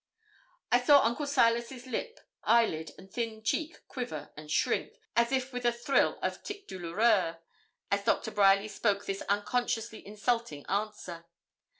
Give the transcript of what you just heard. I saw Uncle Silas's lip, eyelid, and thin cheek quiver and shrink, as if with a thrill of tic douloureux, as Doctor Bryerly spoke this unconsciously insulting answer.